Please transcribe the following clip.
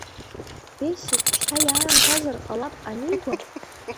Бесик, шьҭа иаамҭазар ҟалап анигәахә…